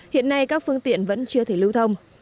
hiện nay các phương tiện vẫn chưa thể lưu thông